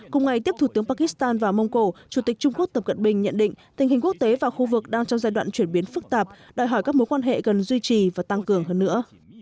cùng ngày tiếp thủ tướng pakistan và mông cổ chủ tịch trung quốc tập cận bình nhận định tình hình quốc tế và khu vực đang trong giai đoạn chuyển biến phức tạp đòi hỏi các mối quan hệ cần duy trì và tăng cường hơn nữa